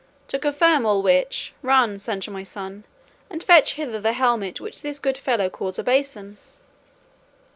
To confirm all which, run, Sancho my son, and fetch hither the helmet which this good fellow calls a basin."